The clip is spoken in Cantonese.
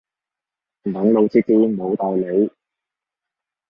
網路設置冇代理